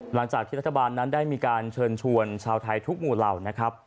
หลังจากที่รัฐบาลนั้นได้มีการเชิญชวนชาวไทยทุกหมู่เหล่านะครับ